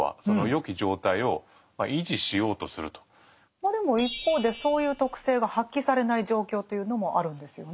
まあでも一方でそういう徳性が発揮されない状況というのもあるんですよね。